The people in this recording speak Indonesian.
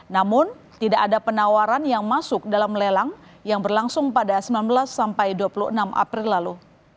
namun tidak ada penawaran yang masuk dalam lelang yang berlangsung pada sembilan belas sampai dua puluh enam april lalu